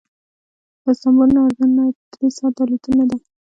له استانبول نه اردن ته درې ساعته الوتنه ده.